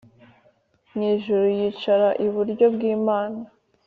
mu ijuru yicara iburyo bw Imana